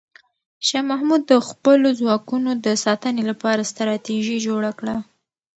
شاه محمود د خپلو ځواکونو د ساتنې لپاره ستراتیژي جوړه کړه.